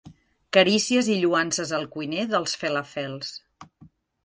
Carícies i lloances al cuiner dels felafels.